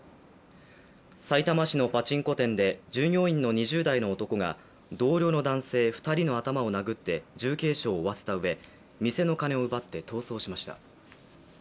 さいたま市のパチンコ店で従業員の２０代の男が同僚の男性２人の頭を殴って重軽傷を負わせたうえ店の金を奪って逃走しました。